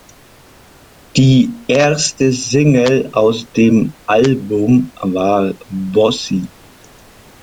Die erste Single aus dem Album war "Bossy".